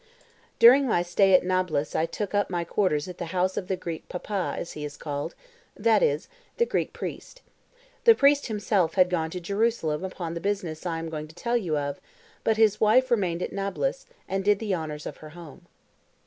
During my stay at Nablus I took up my quarters at the house of the Greek "papa" as he is called, that is, the Greek priest. The priest himself had gone to Jerusalem upon the business I am going to tell you of, but his wife remained at Nablus, and did the honours of her home.